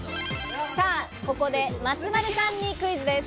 ここで松丸さんにクイズです。